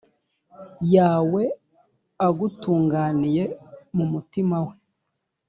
yawe agutunganiye mu mutima we